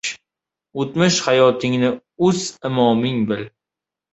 — O‘tmish hayotingni o‘z imoming bil.